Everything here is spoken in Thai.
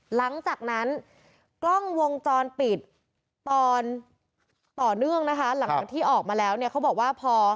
หลังจากนั้นกล้องวงจรปิดตอนต่อเนื่องนะคะหลังจากที่ออกมาแล้วเนี่ยเขาบอกว่าพอ